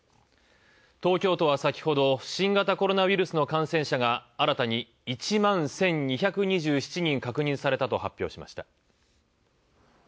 東京都は先ほど、新型コロナウイルスの感染者が新たに１万１２２７人確認されたと発表しました。